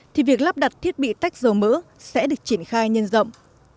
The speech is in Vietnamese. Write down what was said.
thì việc lắp đặt thiết bị tách dầu mỡ sẽ được triển khai nhân rộng